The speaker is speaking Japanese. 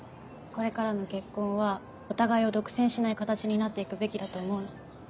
これからの結婚はお互いを独占しない形になって行くべきだと思うの。